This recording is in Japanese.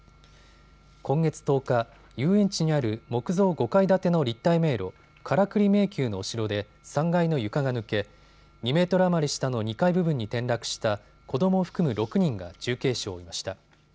今月１０日、遊園地にある木造５階建ての立体迷路、カラクリ迷宮のお城で３階の床が抜け、２メートル余り下の２階部分に転落した子どもを含む６人が重軽傷を負いました。